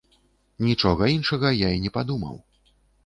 Нічога іншага я не падумаў.